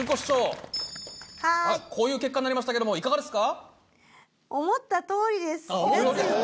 こういう結果になりましたけどもいかがですか？